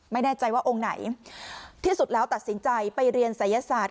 ไม่แน่ใจว่าองค์ไหนที่สุดแล้วตัดสินใจไปเรียนศัยศาสตร์